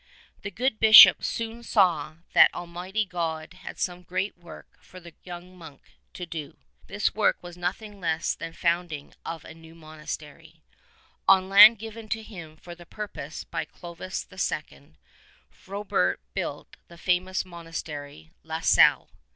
The good Bishop soon saw that Almighty God had some great work for the young monk to do. This work was nothing less than the founding of a new monastery. On land given to him for the purpose by Clovis II. Frobert built the famous monastery of La Celle.